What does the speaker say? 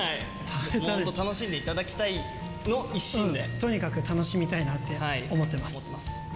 もっと楽しんでいただきたいとにかく楽しみたいなと思っ思ってます。